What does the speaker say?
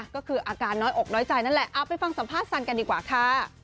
ก็คืออาการน้อยอกน้อยใจนั่นแหละเอาไปฟังสัมภาษณ์สันกันดีกว่าค่ะ